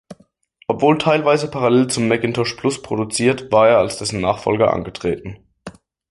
Obwohl teilweise parallel zum Macintosh Plus produziert, war er als dessen Nachfolger angetreten.